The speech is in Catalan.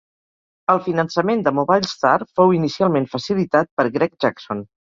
El finançament de MobileStar fou inicialment facilitat per Greg Jackson.